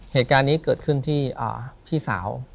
เหตุการณ์นี้เกิดขึ้นที่พี่สาว